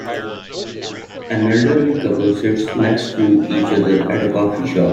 An elderly couple sit next to each other at a coffee shop.